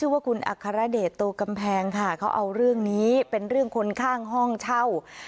ว่าคุณอัครเดชโตกำแพงค่ะเขาเอาเรื่องนี้เป็นเรื่องคนข้างห้องเช่า